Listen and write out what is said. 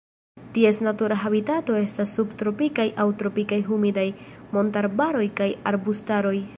Ties natura habitato estas subtropikaj aŭ tropikaj humidaj montarbaroj kaj arbustaroj.